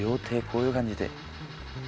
こういう感じで。